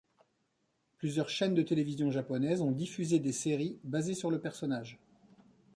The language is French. Plusieurs chaînes de télévision japonaises ont diffusé des séries basées sur le personnage.